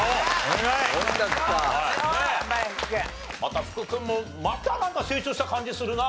また福君もまたなんか成長した感じするな。